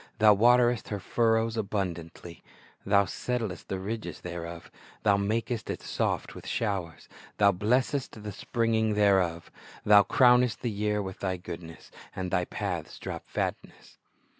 Thou waterest her furrows abundantly; Thou settlest the ridges thereof; Thou inakest it soft with showers ; Thou blessest the springing thereof. Thou crownest the year with Thy goodness; And Thy paths drop fatness."